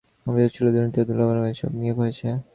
অভিযোগ ছিল, দুর্নীতি ও দলীয়করণের মাধ্যমে এসব নিয়োগ হয়েছে।